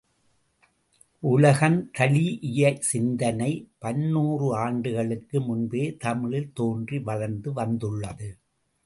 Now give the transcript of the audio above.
உலகந்தழீஇய சிந்தனை பன்னூறு ஆண்டுகளுக்கு முன்பே தமிழில் தோன்றி வளர்ந்து வந்துள்ளது.